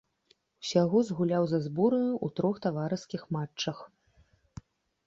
Усяго згуляў за зборную ў трох таварыскіх матчах.